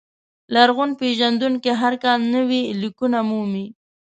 لرغون پېژندونکي هر کال نوي لیکونه مومي.